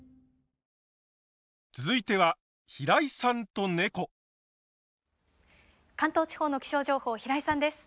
続いては関東地方の気象情報平井さんです。